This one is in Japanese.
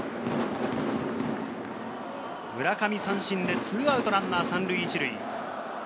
村上、三振で２アウトランナー３塁１塁。